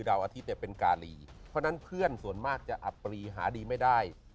อาทิตย์เนี่ยเป็นกาลีเพราะฉะนั้นเพื่อนส่วนมากจะอับปรีหาดีไม่ได้